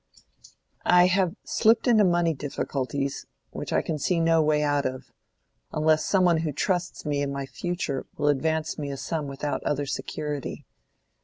"I have slipped into money difficulties which I can see no way out of, unless some one who trusts me and my future will advance me a sum without other security.